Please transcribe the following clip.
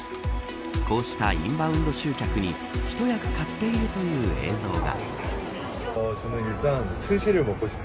こうしたインバウンド集客に一役買っているという映像が。